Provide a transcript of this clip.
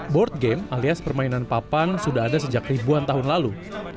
board game alias permainan papan sudah ada sejak ribuan tahun lalu